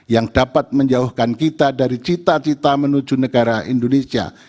yang dapat menjauhkan kita dari cita cita menuju negara indonesia